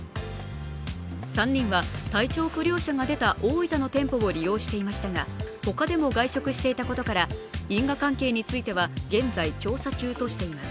３人は体調不良者が出た大分の店舗を利用していましたが、他でも外食していたことから因果関係については現在調査中としています。